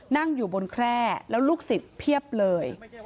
นั่งอยู่บนแคร่แล้วลูกศิษย์เพียบเลย